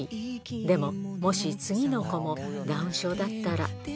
でももし次の子もダウン症だったら。